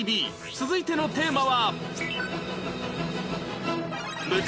続いてのテーマは